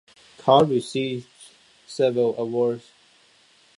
Card received several awards.